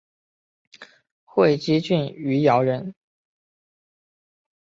会稽郡余姚人。